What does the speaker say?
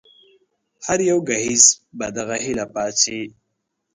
هر يو ګهيځ په دغه هيله پاڅي